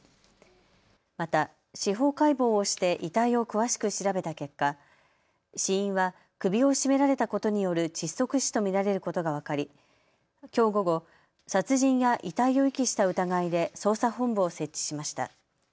また司法解剖をして遺体を詳しく調べた結果、死因は首を絞められたことによる窒息死と見られることが分かりきょう午後、殺人や遺体を遺棄した疑いで捜査本部を設置しました。